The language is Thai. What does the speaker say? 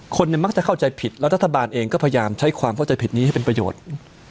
คนเนี่ยมักจะเข้าใจผิดแล้วรัฐบาลเองก็พยายามใช้ความเข้าใจผิดนี้ให้เป็นประโยชน์